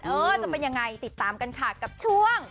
เออจะเป็นยังไงติดตามกันค่ะกับช่วง